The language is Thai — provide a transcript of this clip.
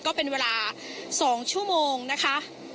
ก็เป็นเวลา๒ชั่วโมงนะคะ